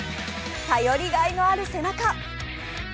頼りがいのある背中！